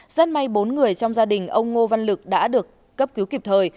rất may bốn người trong gia đình ông ngô văn lực đã được cấp cứu kịp thời